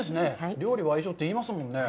料理は愛情って言いますもんね。